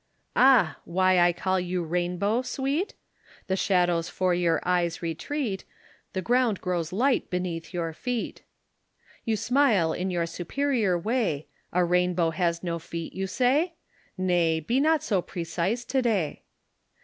Ah, why I call you "Rainbow," sweet? The shadows 'fore your eyes retreat, The ground grows light beneath your feet. You smile in your superior way, A Rainbow has no feet, you say? Nay, be not so precise to day.